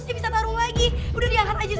reva kamu masih sanggup